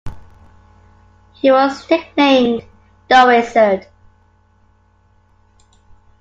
He was nicknamed "The Wizard".